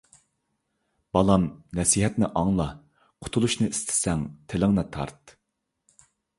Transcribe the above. بالام نەسىھەتنى ئاڭلا، قۇتۇلۇشنى ئىستىسەڭ، تىلىڭنى تارت.